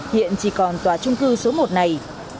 hiện chỉ còn tòa trung cư số một này